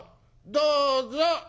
「どうぞ」。